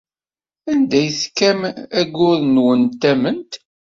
Anda ay tekkam ayyur-nwen n tamemt?